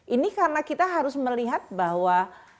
ini karena kita harus melihat bahwa